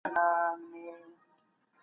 دولت په روغتیايي مرکزونو کي کار کوي.